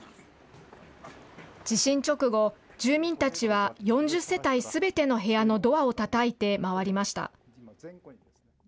地震直後、住民たちは４０世帯すべての部屋のドアをたたいて回りました。